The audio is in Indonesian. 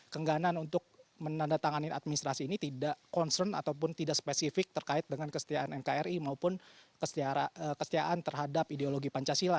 kengganan untuk menandatangani administrasi ini tidak concern ataupun tidak spesifik terkait dengan kesetiaan nkri maupun kesetiaan terhadap ideologi pancasila